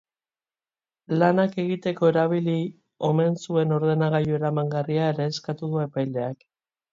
Lanak egiteko erabili omen zuen ordenagailu eramangarria ere eskatu du epaileak.